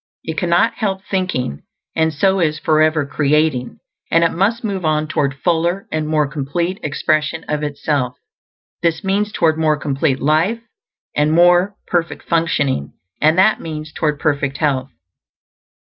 It cannot help thinking, and so is forever creating; and it must move on toward fuller and more complete expression of itself. This means toward more complete life and more perfect functioning; and that means toward perfect health.